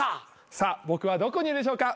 さあ僕はどこにいるでしょうか。